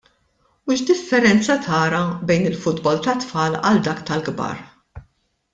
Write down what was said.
U x'differenza tara bejn il-futbol tat-tfal għal dak tal-kbar?